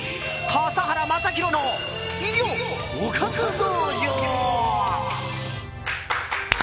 笠原将弘のおかず道場。